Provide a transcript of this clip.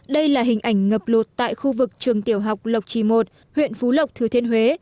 đây là hình ảnh ngập lụt tại khu vực trường tiểu học lộc trì một huyện phú lộc thừa thiên huế